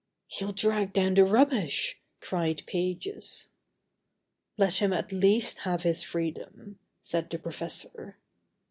"He'll drag down the rubbish!" cried Pages. "Let him at least have his freedom," said the professor.